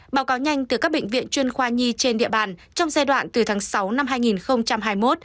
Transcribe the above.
báo cáo nhanh từ các bệnh viện chuyên khoa nhi trên địa bàn trong giai đoạn từ tháng sáu năm hai nghìn hai mươi một